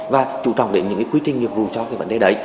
và chú trọng đến những cái quy trình nghiệp vụ cho cái vấn đề đấy